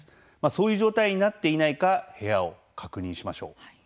そういう状態になっていないか部屋を確認しましょう。